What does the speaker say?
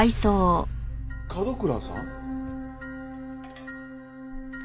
角倉さん？